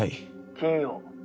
金曜。